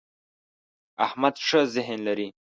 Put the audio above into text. احمد ښه ذهن لري.